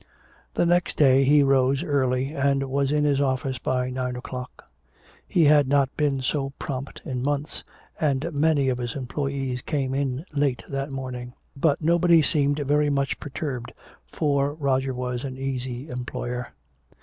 The next day he rose early and was in his office by nine o'clock. He had not been so prompt in months, and many of his employees came in late that morning. But nobody seemed very much perturbed, for Roger was an easy employer.